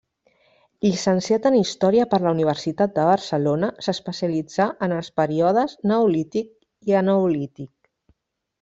Llicenciat en Història per la Universitat de Barcelona, s'especialitzà en els períodes Neolític i Eneolític.